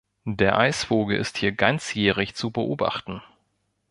Der Eisvogel ist hier ganzjährig zu beobachten.